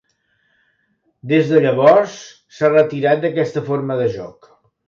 Des de llavors s'ha retirat d'aquesta forma de joc.